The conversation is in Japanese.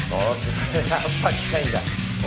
やっぱ近いんだ。